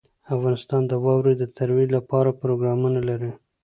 افغانستان د واوره د ترویج لپاره پروګرامونه لري.